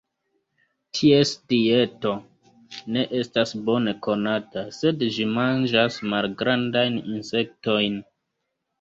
Ties dieto ne estas bone konata, sed ĝi manĝas malgrandajn insektojn.